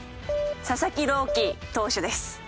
佐々木朗希投手です。